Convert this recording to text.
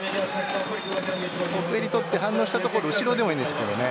奥襟を取って反応したところ後ろでもいいですけどね。